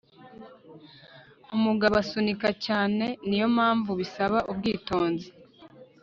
umugabo asunika cyane, niyo mpamvu bisaba ubwitonzi